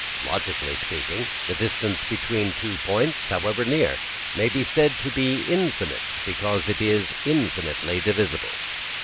Logically speaking, the distance between two points, however near, may be said to be infinite because it is infinitely divisible.